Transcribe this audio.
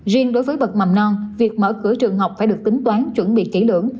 riêng đối với bậc mầm non việc mở cửa trường học phải được tính toán chuẩn bị kỹ lưỡng